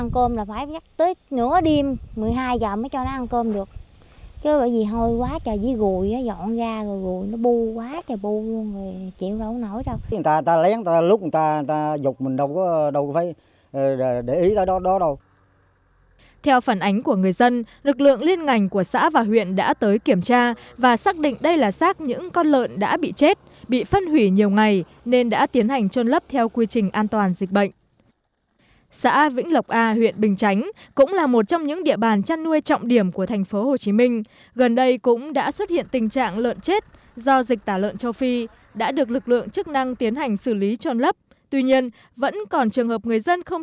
kênh liên vùng đoạn đi qua ấp ba a xã vĩnh lộc a huyện bình chánh tp hcm vốn đã là điểm nóng của tình trạng ô nhiễm môi trường tuy nhiên tình trạng ô nhiễm môi trường ảnh hưởng rất lớn tới môi trường